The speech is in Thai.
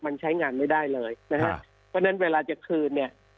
มันใช้งานไม่ได้เลยนะฮะเพราะฉะนั้นเวลาจะคืนเนี่ย